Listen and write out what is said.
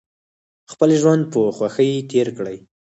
خپل ژوند په خوښۍ تیر کړئ